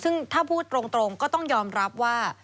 ซึ่งถ้าพูดตรงก็ต้องยอมรับว่า